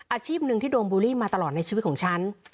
อาชีพหนึ่งที่โดนบูลลี่มาตลอดในชีวิตของฉัน